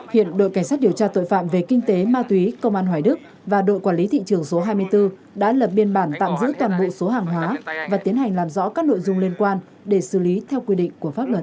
hiện đội cảnh sát điều tra tội phạm về kinh tế ma túy công an hoài đức và đội quản lý thị trường số hai mươi bốn đã lập biên bản tạm giữ toàn bộ số hàng hóa và tiến hành làm rõ các nội dung liên quan để xử lý theo quy định của pháp luật